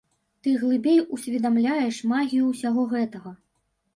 Ты глыбей усведамляеш магію ўсяго гэтага.